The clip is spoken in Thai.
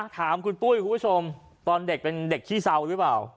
ถามคุณปุ้ยคุณผู้ชมตอนเด็กเป็นเด็กขี้เศร้าหรือเปล่า